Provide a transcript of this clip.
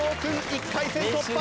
１回戦突破！